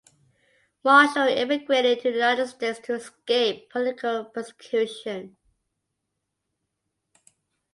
Marshall emigrated to the United States to escape political persecution.